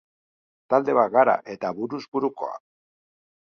Talde bat gara eta buruz burukoa.